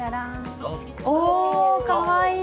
おおかわいい！